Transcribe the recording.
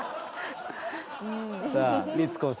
さあ光子さん